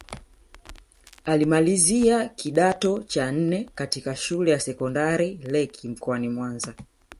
Alimalizia kidato cha nne katika Shule ya Sekondari Lake mkoani Mwanza